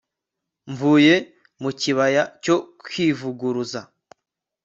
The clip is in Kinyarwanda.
mvuye mu kibaya cyo kwivuguruza